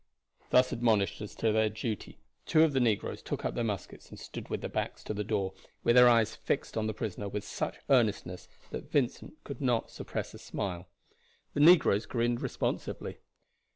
Thus admonished as to their duty, two of the negroes took up their muskets and stood with their backs to the door, with their eyes fixed on the prisoner with such earnestness that Vincent could not suppress a smile. The negroes grinned responsively.